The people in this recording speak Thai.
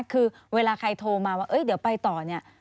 คือเวลาใครโทรมาว่าเดี๋ยวไปต่อเนี่ย